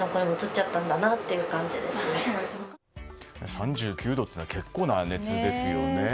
３９度というのは結構な熱ですよね。